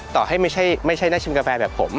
ต่อให้ไม่ใช่น่าชิมกาแฟแบบผม